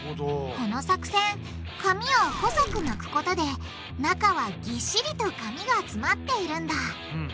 この作戦紙を細く巻くことで中はぎっしりと紙が詰まっているんだ。